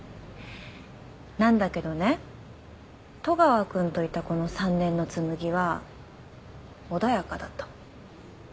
なんだけどね戸川君といたこの３年の紬は穏やかだったの。